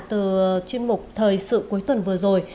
từ chuyên mục thời sự cuối tuần vừa rồi